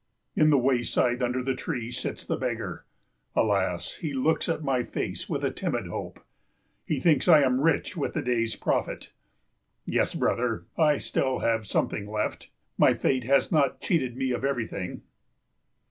In the wayside under the tree sits the beggar. Alas, he looks at my face with a timid hope! He thinks I am rich with the day's profit. Yes, brother, I have still something left. My fate has not cheated me of everything.